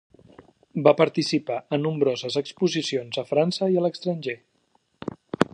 Va participar a nombroses exposicions a França i a l'estranger.